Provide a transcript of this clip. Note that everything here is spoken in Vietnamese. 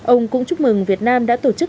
ông cũng chúc mừng việt nam đã tổ chức